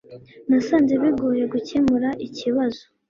Nasanze bigoye gukemura ikibazo.